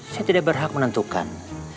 saya tidak berhak menentukan